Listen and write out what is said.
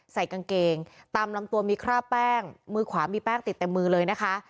ใส่กางเกงตามลำตัวมีคราบแป้งมือขวามีแป้งติดเต็มมือเลยนะคะ